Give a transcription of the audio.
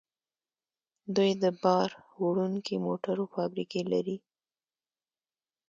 دوی د بار وړونکو موټرو فابریکې لري.